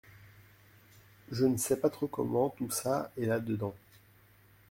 Je ne sais pas trop comment tout ça est là dedans ?